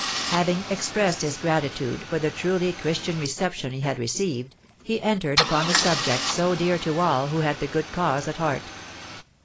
Having expressed his gratitude for the truly Christian reception he had received, he entered upon the subject so dear to all who had the good cause at heart.